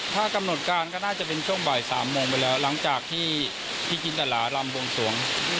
ถ้ากำหนดการก็น่าจะเป็นช่วงบ่าย๓โมงไปแล้วหลังจากที่พี่จินตรารำบวงสวง